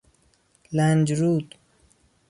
لنگرود